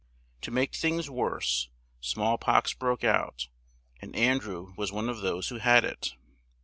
To make things worse, small pox broke out and An drew was one of those who had it.